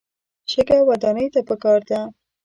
شګه ودانیو ته پکار ده.